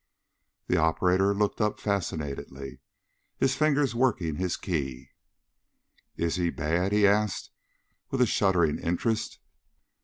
The operator looked up fascinatedly, his fingers working his key. "Is he bad?" he asked with a shuddering interest.